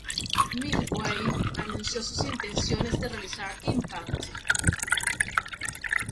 Midway anunció sus intenciones de realizar "Impact!